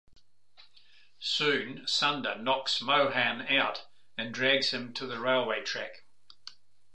Soon Sunder knocks Mohan out and drags him to the railway track.